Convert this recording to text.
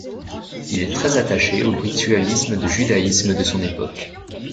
Il est très attaché au ritualisme de judaïsme de son époque.